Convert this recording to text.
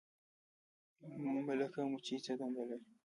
ملکه مچۍ څه دنده لري؟